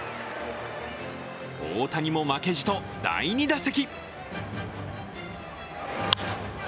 大谷も負けじと第２打席。